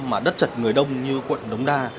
mà đất trật người đông như quận đống đa